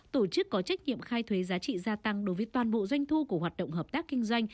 tổ chức có trách nhiệm khai thuế giá trị gia tăng đối với toàn bộ doanh thu của hoạt động hợp tác kinh doanh